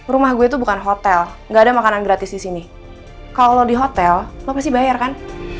rumah gue itu bukan hotel nggak ada makanan gratis di sini kalau lo di hotel lo pasti bayar kan